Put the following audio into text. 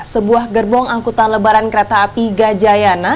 sebuah gerbong angkutan lebaran kereta api gajayana